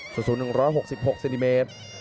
สูตรศูนย์๑๖๖ซินิเมตร